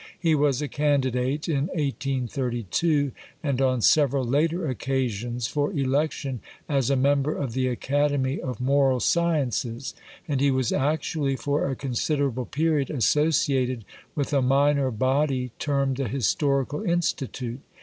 He was a candidate in 1832, and on several later occasions, for election as a member of the Academy of Moral Sciences, and he was actually for a considerable period associated with a minor body termed the Historical Institute.